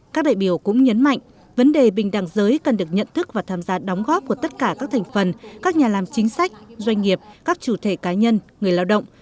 các đại biểu cũng nhấn mạnh vấn đề bình đẳng giới cần được nhận thức và tham gia đóng góp của tất cả các thành phần các nhà làm chính sách doanh nghiệp các chủ thể cá nhân người lao động